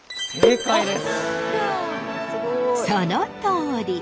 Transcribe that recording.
そのとおり！